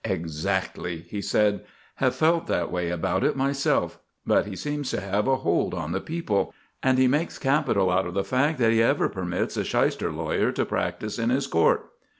"Exactly," he said. "Have felt that way about it myself. But he seems to have a hold on the people. And he makes capital out of the fact that he ever permits a 'shyster' lawyer to practise in his court."